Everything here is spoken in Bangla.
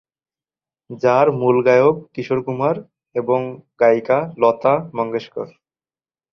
যার মূল গায়ক কিশোর কুমার এবং গায়িকা লতা মঙ্গেশকর।